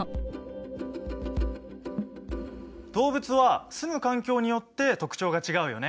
動物はすむ環境によって特徴が違うよね。